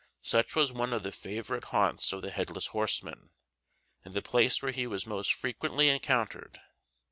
Such was one of the favorite haunts of the headless horseman, and the place where he was most frequently encountered.